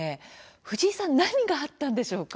藤井さん何があったんでしょうか。